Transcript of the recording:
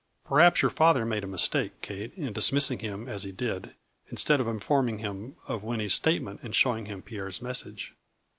Perhaps your father made a mistake, Kate, in dismissing him as he did, instead of informing him of Winnie's statement and showing him Pierre's message.